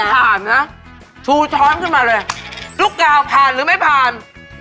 ผ่านนะชูช้อนขึ้นมาเลยลูกกาวผ่านหรือไม่ผ่าน